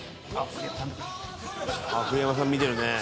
栗山さん見てるね。